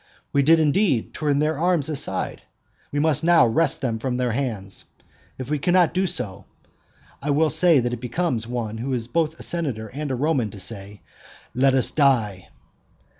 We did indeed turn their arms aside; we must now wrest them from their hands. And if we cannot do so, (I will say what it becomes one who is both a senator and a Roman to say,) let us die.